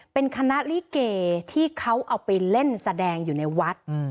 เป็นคณะลิเกที่เขาเอาไปเล่นแสดงอยู่ในวัด